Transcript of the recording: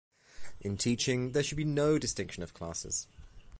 In teaching, there should be no distinction of classes.